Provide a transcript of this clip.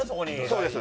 そうです。